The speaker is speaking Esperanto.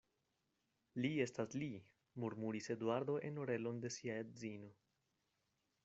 Li estas Li, murmuris Eduardo en orelon de sia edzino.